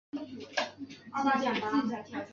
特鲁莱拉巴尔特。